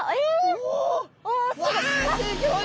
すギョい